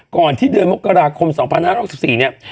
ก่อนที่เดือนมกราคม๒๕๖๔เนี่ย